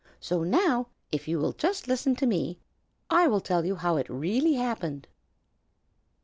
So now, if you will just listen to me, I will tell you how it really happened."